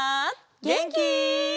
げんき？